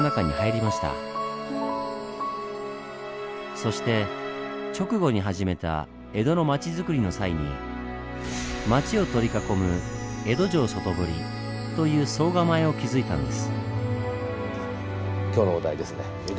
そして直後に始めた江戸の町づくりの際に町を取り囲む「江戸城外堀」という総構を築いたんです。